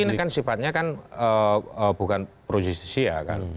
tapi ini kan sifatnya bukan proyeksi ya kan